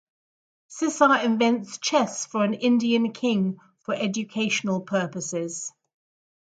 Sissa invents chess for an Indian king for educational purposes.